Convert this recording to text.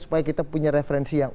supaya kita punya referensi yang